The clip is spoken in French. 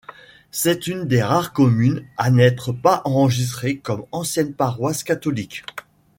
C'est une des rares communes à n'être pas enregistrée comme ancienne paroisse catholique.